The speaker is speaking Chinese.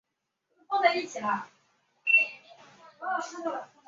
无符号数可以利用其所占有的所有位来表示较大的数。